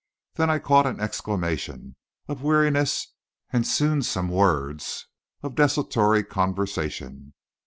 Then I caught an exclamation of weariness, and soon some words of desultory conversation.